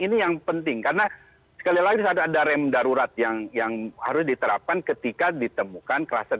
ini yang penting karena sekali lagi ada rem darurat yang harus diterapkan ketika ditemukan klaster